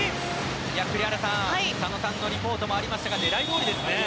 栗原さん、佐野さんのリポートもありましたが狙いどおりですね。